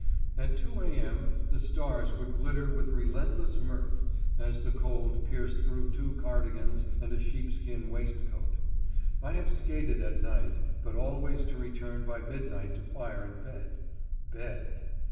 At 2.0 a.m. the stars would glitter with relentless mirth, as the cold pierced through two cardigans and a sheepskin waistcoat. I have skated at night, but always to return by midnight to fire and bed. Bed!